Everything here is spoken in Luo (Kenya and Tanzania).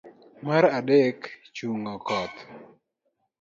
mar adek. chung'o koth